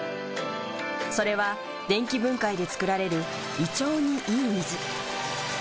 それは電気分解で作られる胃腸にいい水。